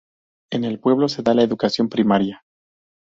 En el pueblo se da la educación primaria.